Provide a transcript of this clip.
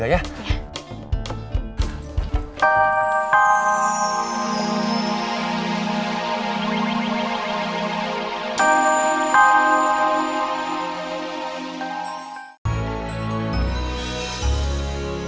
terima kasih pak